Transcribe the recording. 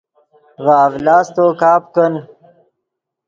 ڤے اڤلاستو کپ کن